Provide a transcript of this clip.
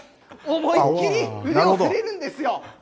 思いっきり腕を振れるんですよ。